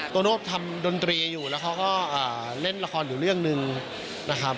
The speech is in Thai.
โตโน่ทำดนตรีอยู่แล้วเขาก็เล่นละครอยู่เรื่องหนึ่งนะครับ